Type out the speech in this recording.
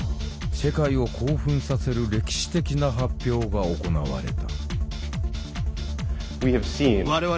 世界を興奮させる歴史的な発表が行われた。